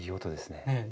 ねえ。